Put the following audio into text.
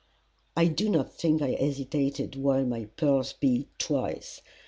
I do not think I hesitated while my pulse beat twice.